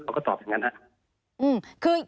เขาก็ตอบอย่างนั้นครับ